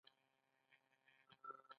پښين